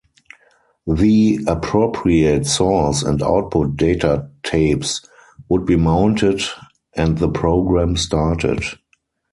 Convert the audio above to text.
The appropriate source and output data tapes would be mounted and the program started.